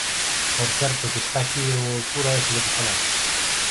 Por certo que está aquí... O cura ese do que falaches.